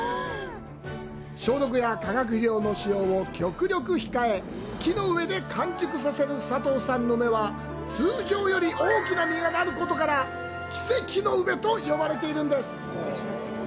消毒や化学肥料の使用を極力控え、木の上で完熟させる佐藤さんの梅は通常より大きな実がなることから、「奇跡の梅」と呼ばれています。